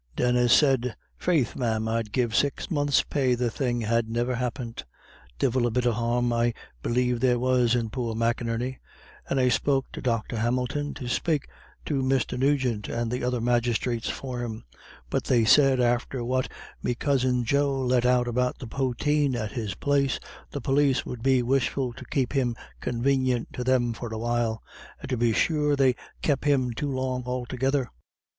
Denis said: "Faith, ma'am, I'd give six months' pay the thing had never happint. Divil a bit of harm I believe there was in poor McInerney; and I spoke to Dr. Hamilton to spake to Mr. Nugent and the other magistrates for him; but they said, after what me cousin Joe let out about the poteen at his place, the pólis would be wishful to keep him convanient to thim for a while; and to be sure, they kep' him too long altogether.